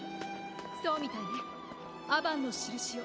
そうみたいねアバンの印を。